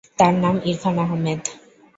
তার নাম ইরফান আহমেদ।